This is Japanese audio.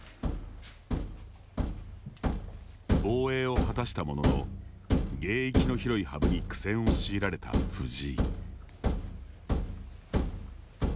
防衛を果たしたものの芸域の広い羽生に苦戦を強いられた藤井。